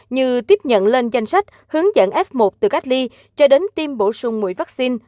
như tiếp nhận lên danh sách hướng dẫn f một từ cách ly cho đến tiêm bổ sung mũi vaccine